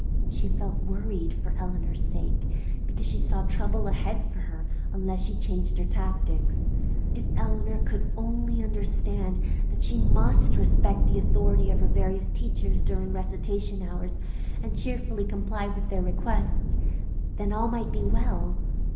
She felt worried for Eleanor's sake, because she saw trouble ahead for her unless she changed her tactics. If Eleanor could only understand that she must respect the authority of her various teachers during recitation hours and cheerfully comply with their requests, then all might be well.